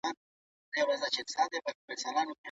لومړنی نظامي برخورد د چا له خوا وسو؟